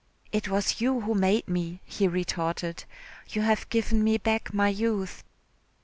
"It was you who made me," he retorted, "you have given me back my youth."